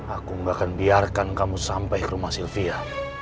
aku gak akan biarkan kamu sampai rumah sylvia